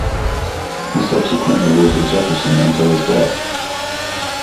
He subsequently lived at Jefferson until his death.